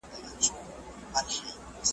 د اوبولګولو نوي سیستمونه جوړیدل.